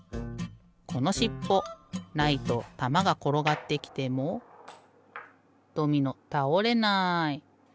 このしっぽないとたまがころがってきてもドミノたおれない。